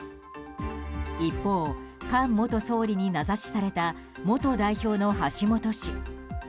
一方、菅元総理に名指しされた元代表の橋下氏。